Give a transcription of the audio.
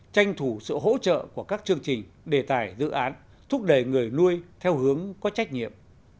tranh thủ sự hỗ trợ của các chương trình đề tài dự án thúc đẩy người nuôi theo hướng có trách nhiệm